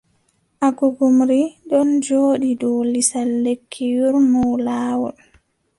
Agugumri ɗon jooɗi dow lisal lekki yuurno laawol.